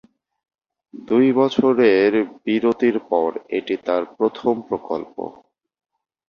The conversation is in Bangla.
দুই বছরের বিরতির পর এটি তার প্রথম প্রকল্প।